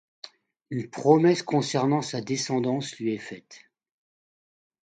Une promesse concernant sa descendance lui est faite.